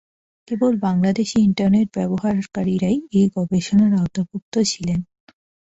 কেবল Bangladeshi internet ব্যবহারকারীরাই এই গবেষণার আওতাভুক্ত ছিলেন।